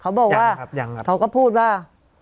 เขาก็บอกว่า